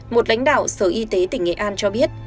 một lãnh đạo sở y tế tỉnh nghệ an cho biết